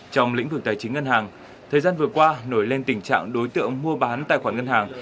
trong lĩnh vực tài chính ngân hàng thời gian vừa qua nổi lên tình trạng đối tượng mua bán tài khoản ngân hàng